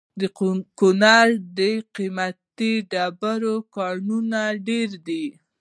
د کونړ د قیمتي ډبرو کانونه ډیر دي.